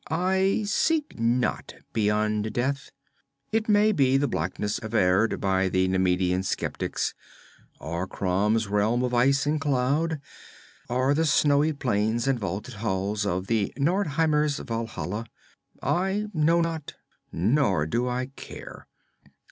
I seek not beyond death. It may be the blackness averred by the Nemedian skeptics, or Crom's realm of ice and cloud, or the snowy plains and vaulted halls of the Nordheimer's Valhalla. I know not, nor do I care.